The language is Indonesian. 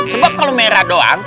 sebab kalau merah doang